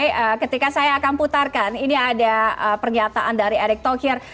oke ketika saya akan putarkan ini ada pernyataan dari erick thohir